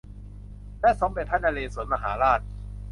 และสมเด็จพระนเรศวรมหาราช